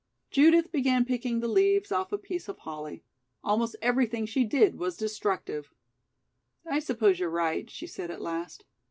Judith began picking the leaves off a piece of holly. Almost everything she did was destructive. "I suppose you're right," she said at last.